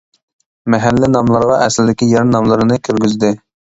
مەھەللە ناملىرىغا ئەسلىدىكى يەر ناملىرىنى كىرگۈزدى.